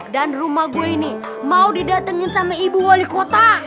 dan rumah gue ini mau didatengin sama ibu wali kota